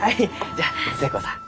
じゃあ寿恵子さん